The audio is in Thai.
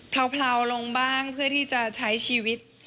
เลาลงบ้างเพื่อที่จะใช้ชีวิต